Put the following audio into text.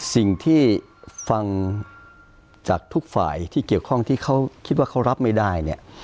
สิ่งที่ฟังจากทุกฝ่ายที่เกี่ยวข้องที่เขาคิดว่าเขารับไม่ได้เนี่ย